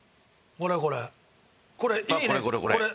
これこれ。